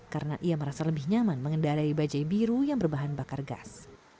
karena ia merasa lebih nyaman mengendari bajaj biru yang berbahan bakar gas